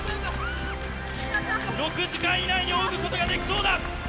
６時間以内に泳ぐことができそうだ。